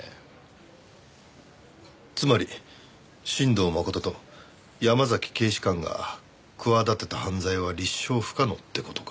つまり新堂誠と山崎警視監が企てた犯罪は立証不可能って事か。